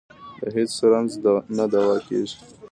د هېڅ رنځ نه دوا کېږي.